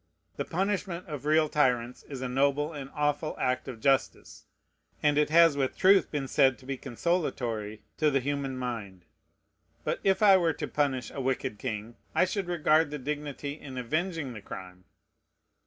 The punishment of real tyrants is a noble and awful act of justice; and it has with truth been said to be consolatory to the human mind. But if I were to punish a wicked king, I should regard the dignity in avenging the crime.